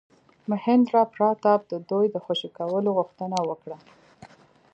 مهیندراپراتاپ د دوی د خوشي کولو غوښتنه وکړه.